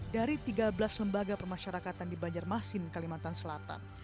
dari tiga belas lembaga permasyarakatan di banjarmasin kalimantan selatan